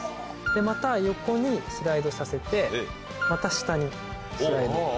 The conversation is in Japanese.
また横にスライドさせてまた下にスライド。